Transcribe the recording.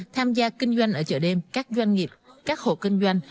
tham gia kinh doanh ở chợ đêm các doanh nghiệp các hộ kinh doanh